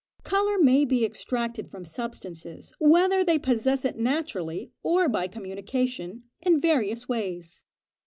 593. Colour may be extracted from substances, whether they possess it naturally or by communication, in various ways.